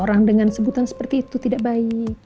orang dengan sebutan seperti itu tidak baik